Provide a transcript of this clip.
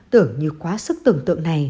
tưởng như quá sức tưởng tượng